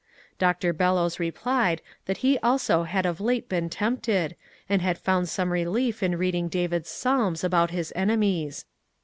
Dr. Bellows replied that he also had of late been tempted, and had found some relief in reading David's Psalms about his enemies.